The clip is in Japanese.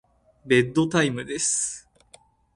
ベッドタイムです。